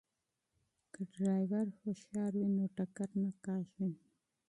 که ډریور هوښیار وي نو ټکر نه کیږي.